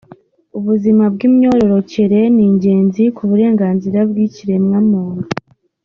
Ubuzima bw’imyororokere ni ingenzi ku burenganzira bw’ikiremwamuntu.